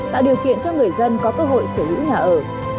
tạo điều kiện cho người dân có cơ hội sở hữu nhà ở